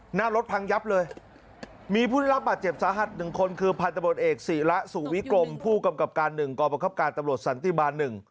หน้ารถพังยับเลยมีผู้ได้รับบาดเจ็บสาหัส๑คนคือพันธบรตเอกศรีระสู่วิกลมผู้กำกับการ๑กรประกับการตำรวจสันติบาล๑